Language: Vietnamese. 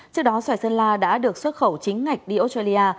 trước đó xoài sơn la đã được xuất khẩu chính ngạch đi australia